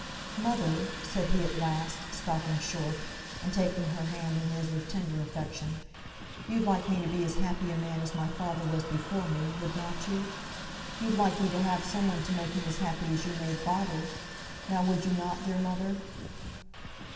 "Mother!" said he at last, stopping short, and taking her hand in his with tender affection, "you'd like me to be as happy a man as my father was before me, would not you? You'd like me to have some one to make me as happy as you made father? Now, would you not, dear mother?"